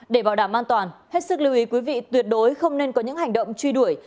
để bảo đảm an toàn hết sức lưu ý quý vị tuyệt đối không nên có những hành động truy đuổi